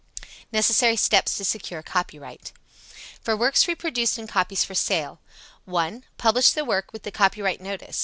Necessary Steps to Secure Copyright. For works reproduced in copies for sale: 1. Publish the work with the copyright notice.